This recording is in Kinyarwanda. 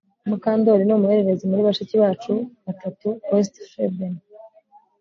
Mukandoli ni umuhererezi muri bashiki bacu batatu WestofEden